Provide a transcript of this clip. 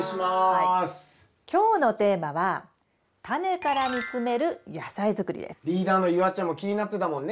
今日のテーマはリーダーの夕空ちゃんも気になってたもんね